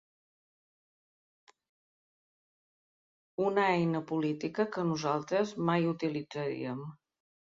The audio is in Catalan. Una eina política, que nosaltres mai utilitzaríem.